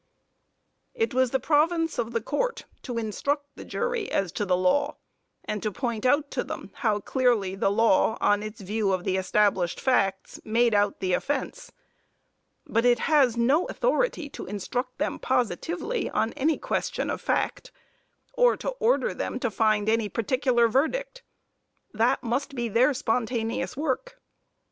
It was the province of the Court to instruct the jury as to the law, and to point out to them how clearly the law, on its view of the established facts, made out the offence; but it has no authority to instruct them positively on any question of fact, or to order them to find any particular verdict. That must be their spontaneous work.